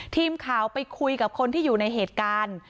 ทีมข่าวไปคุยกับคนที่อยู่ในเหตุการณ์